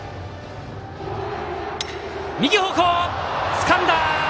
つかんだ！